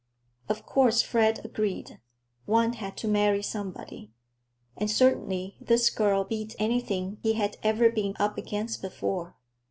Of course, Fred agreed, one had to marry somebody. And certainly this girl beat anything he had ever been up against before.